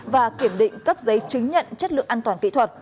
và kiểm định cấp giấy chứng nhận chất lượng an toàn kỹ thuật